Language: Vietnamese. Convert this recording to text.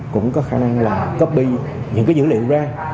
cũng có khả năng là copy những cái dữ liệu ra